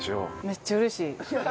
めっちゃ嬉しい。